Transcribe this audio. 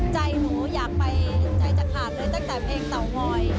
ใจหนูอยากไปใจจะขาดเลยตั้งแต่เพลงเตางอย